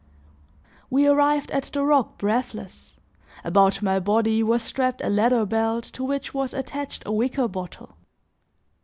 We arrived at the rock breathless, about my body was strapped a leather belt to which was attached a wicker bottle.